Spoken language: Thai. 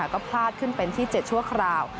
ก็พลาดขึ้นเป็นที่๗ชั่วคราว